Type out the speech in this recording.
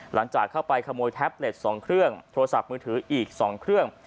หลังจากเข้าไปขโมยแท็บเล็ต๒เครื่องโทรศัพท์มือถืออีก๒เครื่อง